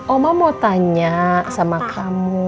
oma mau tanya sama kamu